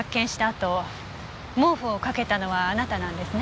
あと毛布をかけたのはあなたなんですね？